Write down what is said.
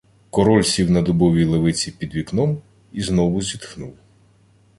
Король сів на дубовій лавиці під вікном і знову зітхнув.